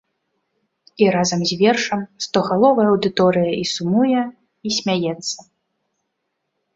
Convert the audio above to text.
І разам з вершам стогаловая аўдыторыя і сумуе і смяецца.